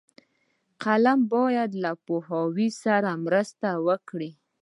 فلم باید له پوهاوي سره مرسته وکړي